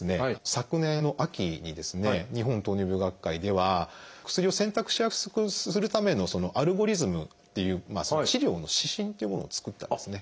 昨年の秋にですね日本糖尿病学会では薬を選択しやすくするためのアルゴリズムっていう治療の指針っていうものを作ったんですね。